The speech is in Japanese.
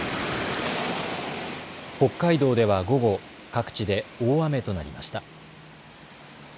北海道では午後、各地で大雨となりました。